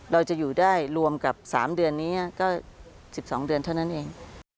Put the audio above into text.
เราจะอยู่ได้รวมกับ๓เดือนนี้ก็๑๒เดือนเท่านั้นเอง